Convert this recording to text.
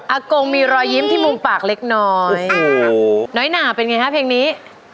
กงมีรอยยิ้มที่มุมปากเล็กน้อยน้อยหนาเป็นไงฮะเพลงนี้